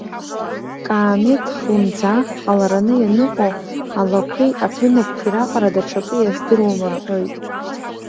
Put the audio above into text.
Каамеҭ хлымӡаахк ҟалараны ианыҟоу алақәеи ахәынаԥқәеи раҟара даҽакы иаздыруам рҳәоит.